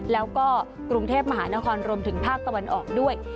แล้วก็กรุงเทพมหานครรวมถึงภาคตะวันออกด้วย